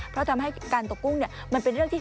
เพราะทำให้การตกกุ้งเนี่ย